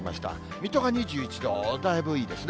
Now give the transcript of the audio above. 水戸が２１度、だいぶいいですね。